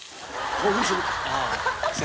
興奮する。